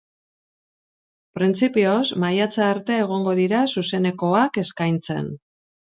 Printzipioz, maiatza arte egongo dira zuzenekoak eskaintzen.